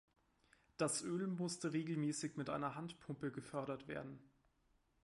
Das Öl musste regelmäßig mit einer Handpumpe gefördert werden.